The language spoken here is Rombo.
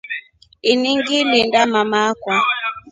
Ini ngilinda mama akwa.